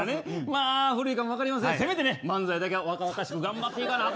古いかも分かりませんがせめて漫才だけは若々しく頑張っていかなあ